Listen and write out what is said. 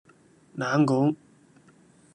冷巷